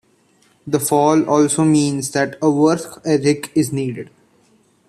The Fall also means that a work ethic is needed.